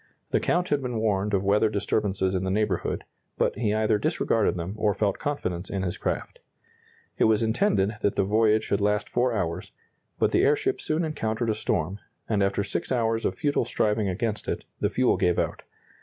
The Count had been warned of weather disturbances in the neighborhood, but he either disregarded them or felt confidence in his craft. It was intended that the voyage should last four hours, but the airship soon encountered a storm, and after 6 hours of futile striving against it, the fuel gave out.